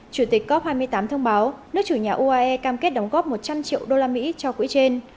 chủ tịch cop hai mươi tám thông báo nước chủ nhà uae cam kết đóng góp một trăm linh triệu usd cho quỹ trên